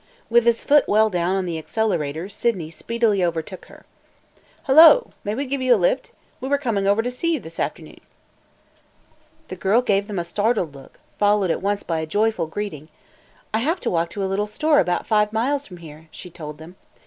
With his foot well down on the accelerator, Sydney speedily overtook her. "Hello! May we give you a lift? We were coming over to see you this afternoon." The girl gave them a startled look, followed at once by a joyful greeting, "I have to walk to a little store about five miles from here," she told them.